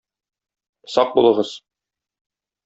Сак булыгыз!